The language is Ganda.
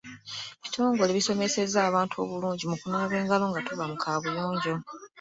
Ebitongole bisomesezza abantu obulungi mu kunaaba engalo nga tuva mu kaabuyonjo